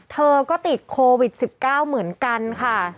เธอก็ติดโควิด๑๙เหมือนกันค่ะ